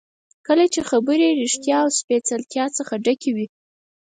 کله چې خبرې ریښتیا او سپېڅلتیا څخه ډکې وي.